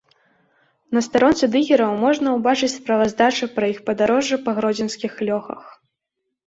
На старонцы дыгераў можна ўбачыць справаздачы пра іх падарожжы па гродзенскіх лёхах.